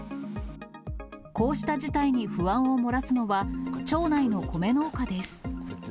こうした事態に不安を漏らすのは、町内の米農家です。